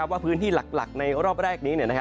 ว่าพื้นที่หลักในรอบแรกนี้